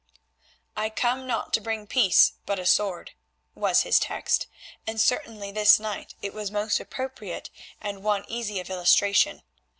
"I come not to bring peace but a sword," was his text, and certainly this night it was most appropriate and one easy of illustration.